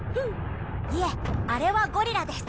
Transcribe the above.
いえあれはゴリラです。